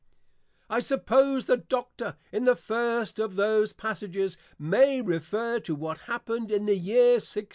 _ I suppose the Doctor in the first of those Passages, may refer to what happened in the Year 1645.